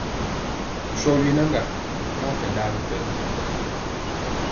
Sɔ yenaŋga mɔ kɛ ɗa wi pɛnɔ.